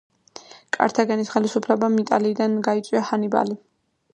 კართაგენის ხელისუფლებამ იტალიიდან გაიწვია ჰანიბალი.